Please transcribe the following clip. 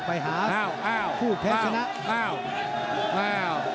อ้าวอ้าวอ้าว